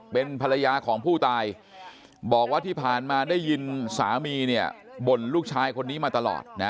เป็นภรรยาของผู้ตายบอกว่าที่ผ่านมาได้ยินสามีเนี่ยบ่นลูกชายคนนี้มาตลอดนะ